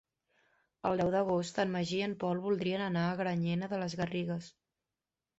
El deu d'agost en Magí i en Pol voldrien anar a Granyena de les Garrigues.